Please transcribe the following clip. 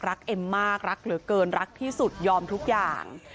เอ็มมากรักเหลือเกินรักที่สุดยอมทุกอย่าง